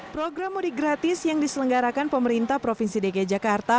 program mudik gratis yang diselenggarakan pemerintah provinsi dki jakarta